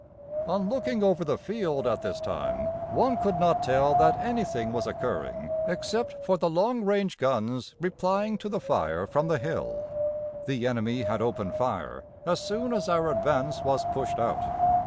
On looking over the field at this time one could not tell that anything was occurring except for the long range guns replying to the fire from the hill. The enemy had opened fire as soon as our advance was pushed out.